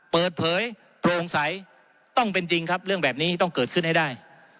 เปิดเผยโปร่งใสต้องเป็นจริงครับเรื่องแบบนี้ต้องเกิดขึ้นให้ได้